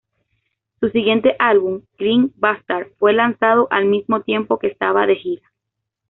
Su siguiente álbum, "Grind Bastard", fue lanzado al mismo tiempo que estaban de gira.